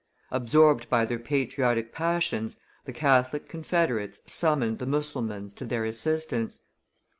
Absorbed by their patriotic passions, the Catholic confederates summoned the Mussulmans to their assistance.